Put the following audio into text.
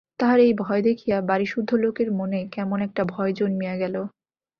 তাহার এই ভয় দেখিয়া বাড়িসুদ্ধ লোকের মনে কেমন একটা ভয় জন্মিয়া গেল।